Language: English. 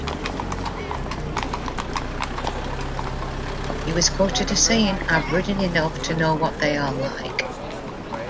He was quoted as saying I've ridden enough to know what they are like.